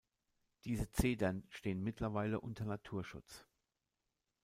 Diese Zedern stehen mittlerweile unter Naturschutz.